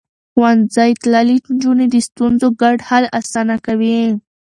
ښوونځی تللې نجونې د ستونزو ګډ حل اسانه کوي.